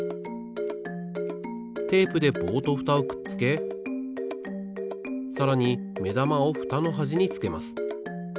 テープで棒とフタをくっつけさらにめだまをフタのはじにつけます。